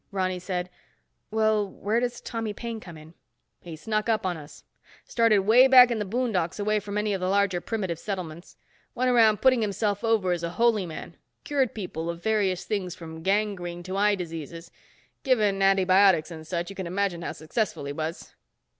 Ronny said, "Well, where does Tommy Paine come in?" "He snuck up on us. Started way back in the boondocks away from any of the larger primitive settlements. Went around putting himself over as a holy man. Cured people of various things from gangrene to eye diseases. Given antibiotics and such, you can imagine how successful he was."